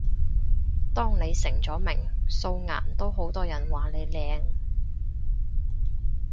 當你成咗名，素顏都好多人話你靚